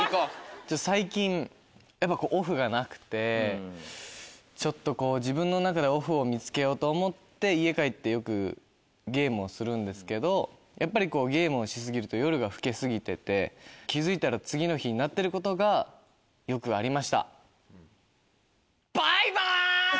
最近やっぱオフがなくてちょっとこう自分の中でオフを見つけようと思って家帰ってよくゲームをするんですけどやっぱりゲームをし過ぎると夜が更け過ぎてて気付いたら次の日になってることがよくありました。